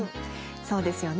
そうですよね。